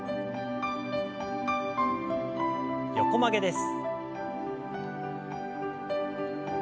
横曲げです。